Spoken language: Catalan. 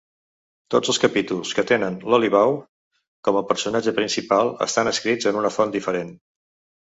Tots els capítols que tenen l'Olivaw com el personatge principal estan escrits en una font diferent.